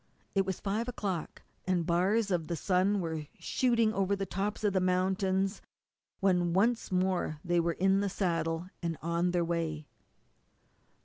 It was five o'clock, and bars of the sun were shooting over the tops of the mountains when once more they were in the saddle and on their way.